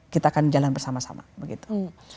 kita akan jalan bersama sama begitu